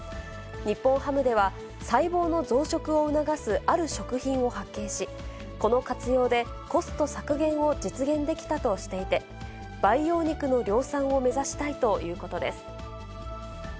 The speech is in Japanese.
日本ハムでは、細胞の増殖を促すある食品を発見し、この活用でコスト削減を実現できたとしていて、培養肉の量産を目指したいということです。